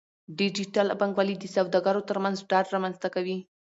ډیجیټل بانکوالي د سوداګرو ترمنځ ډاډ رامنځته کوي.